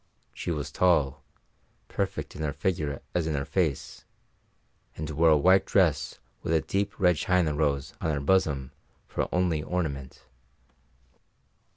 She was tall, perfect in her figure as in her face, and wore a white dress with a deep red China rose on her bosom for only ornament.